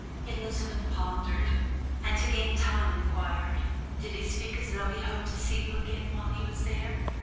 Elizabeth pondered, and to gain time inquired: "Did he speak as though he hoped to see you again while he was there?"